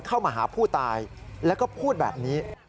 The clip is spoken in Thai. เข้ามาหาผู้ตายแล้วก็พูดแบบนี้